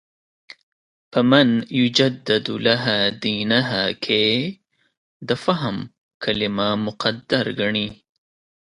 په «مَن یُجَدِّدُ لَهَا دِینَهَا» کې د «فهم» کلمه مقدر ګڼي.